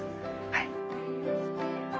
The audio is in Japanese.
はい。